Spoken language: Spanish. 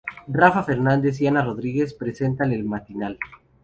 Rafa Fernández y Ana Rodríguez presentan el matinal.